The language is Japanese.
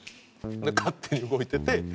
で勝手に動いてて。